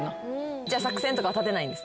じゃあ作戦とかは立てないんですね。